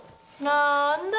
なーんだ。